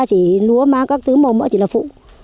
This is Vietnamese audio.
chỉ lúa má các thứ màu mỡ chỉ là phụ